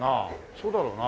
そうだろうな。